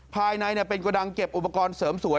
ภายในเป็นกระดังเก็บอุปกรณ์เสริมสวย